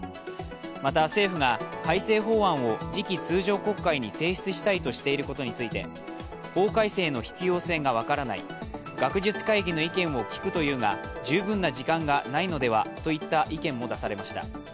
また、政府が改正法案を次期通常国会に提出したいとしていることについて、法改正の必要性が分からない、学術会議の意見を聞くというが十分な時間がないのではといった意見も出されました。